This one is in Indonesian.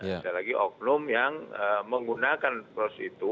ada lagi oknum yang menggunakan pros itu